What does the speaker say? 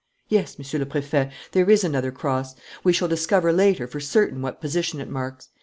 "Yes, Monsieur le Préfet, there is another cross. We shall discover later for certain what position it marks.